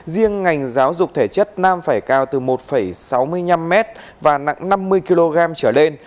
riêng ngành giáo dục thể chất nam phải cao từ một sáu mươi năm m và nặng năm mươi kg trở lên